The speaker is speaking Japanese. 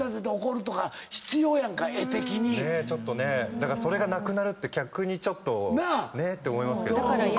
だからそれがなくなるって逆にちょっとねって思います。